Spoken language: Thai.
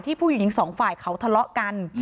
ผู้หญิงสองฝ่ายเขาทะเลาะกัน